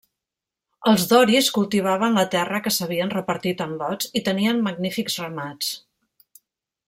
Els doris cultivaven la terra que s'havien repartit en lots i tenien magnífics ramats.